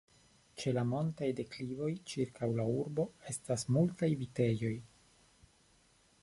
Ĉe la montaj deklivoj ĉirkaŭ la urbo estas multaj vitejoj.